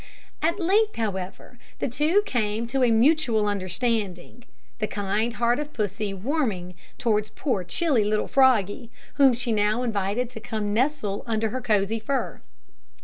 At length, however, the two came to a mutual understanding; the kind heart of Pussy warming towards poor chilly little Froggy, whom she now invited to come and nestle under her cozy fur.